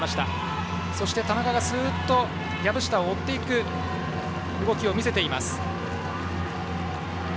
そして、田中がスーッと籔下を追っていく動きを見せます。